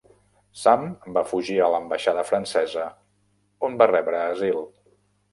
Sam va fugir a l'ambaixada francesa, on va rebre asil.